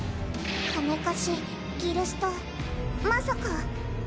金貸しギルストまさか。